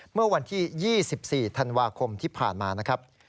เมื่อวันที่๒๔ธันวาคมที่ผ่านมานะครับ